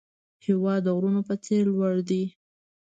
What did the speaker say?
هېواد د غرونو په څېر لوړ دی.